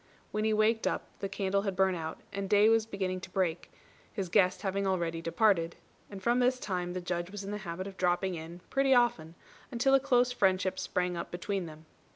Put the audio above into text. When he waked up the candle had burnt out and day was beginning to break, his guest having already departed; and from this time the Judge was in the habit of dropping in pretty often, until a close friendship sprang up between them.